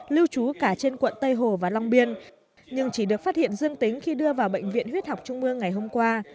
lưu trú cả trên quận tây hồ và long biên nhưng chỉ được phát hiện dương tính khi đưa vào bệnh viện huyết học trung ương ngày hôm qua